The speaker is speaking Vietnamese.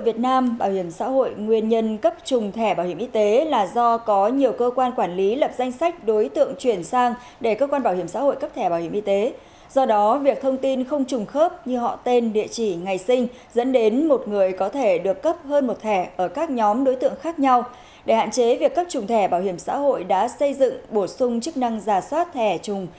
việc cấp trùng thẻ bảo hiểm xã hội đã xây dựng bổ sung chức năng giả soát thẻ trùng